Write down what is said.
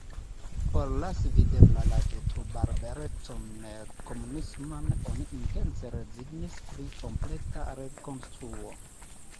Por lasi videbla la detrubarbarecon komunisman oni intence rezignis pri kompleta rekonstruo.